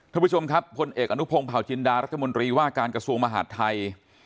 ท่านผู้ชมครับพลเอกอนุพงศ์เผาจินดารัฐมนตรีว่าการกระทรวงมหาดไทย